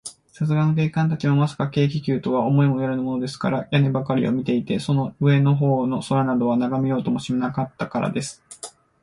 さすがの警官たちも、まさか、軽気球とは思いもよらぬものですから、屋根ばかりを見ていて、その上のほうの空などは、ながめようともしなかったからです。